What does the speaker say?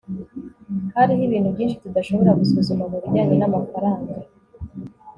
hariho ibintu byinshi tudashobora gusuzuma mubijyanye namafaranga